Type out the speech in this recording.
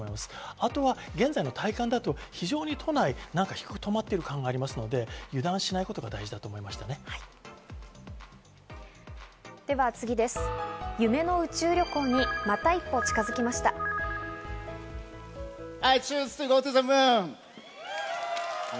あとは現在の体感だと都内、低く止まっている感がありますので油断しないことが大事だと思いましたね。